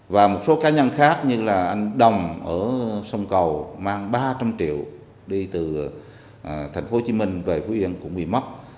và một số cá nhân khác như là anh đồng ở sông cầu mang ba trăm linh triệu đi từ thành phố hồ chí minh về phú yên cũng bị mất